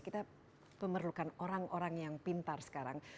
kita memerlukan orang orang yang pintar sekarang